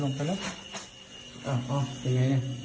ลงไปนิดนึง